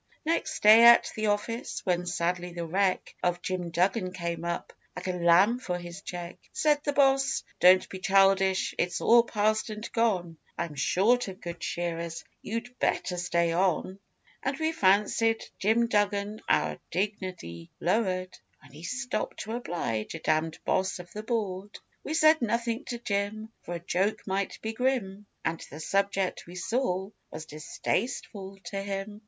Next day at the office, when sadly the wreck Of Jim Duggan came up like a lamb for his cheque, Said the Boss, 'Don't be childish! It's all past and gone; I am short of good shearers. You'd better stay on.' And we fancied Jim Duggan our dignity lower'd When he stopped to oblige a damned Boss of the board. We said nothing to Jim, For a joke might be grim, And the subject, we saw, was distasteful to him.